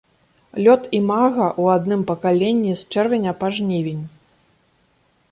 Лёт імага ў адным пакаленні з чэрвеня па жнівень.